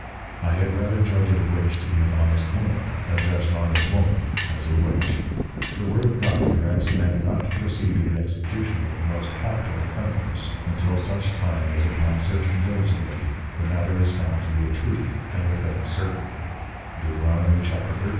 I had rather judge a Witch to be an honest woman, than judge an honest woman as a Witch. The Word of God directs men not to proceed to the execution of the most capital offenders, until such time as upon searching diligently, the matter is found to be a Truth, and the thing certain, _Deut.